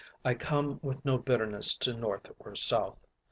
I come with no bitterness to North or South.